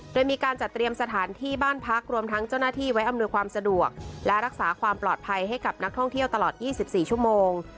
โดยมีการจัดเตรียมสถานที่บ้านพักรวมทั้งเจ้าหน้าที่ไว้อำนวยความสะดวกและรักษาความปลอดภัยให้กับนักท่องเที่ยวตลอด๒๔ชั่วโมง